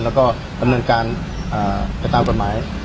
แล้วก็ดำเนินการไปตามกฎหมาย